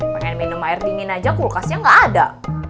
pengen minum air dingin aja kulkasnya nggak ada